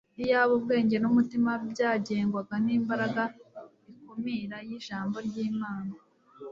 iyaba ubwenge numutima byagengwaga nimbaraga ikumira yijambo ryImana